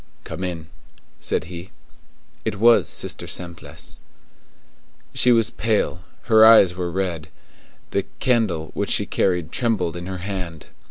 "Come in," said he. It was Sister Simplice. She was pale; her eyes were red; the candle which she carried trembled in her hand.